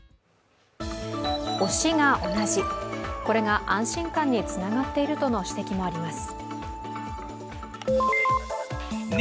推しが同じ、これが安心感につながっているとの指摘があります。